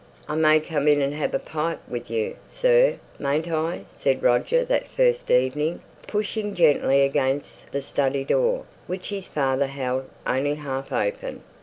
"I may come in and have a pipe with you, sir, mayn't I?" said Roger, that first evening, pushing gently against the study door, which his father held only half open.